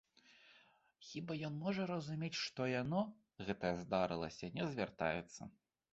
Хіба ён можа разумець, што яно, гэтае здарылася, не звяртаецца?